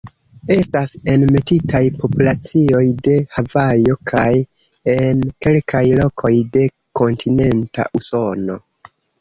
Estas enmetitaj populacioj de Havajo kaj en kelkaj lokoj de kontinenta Usono.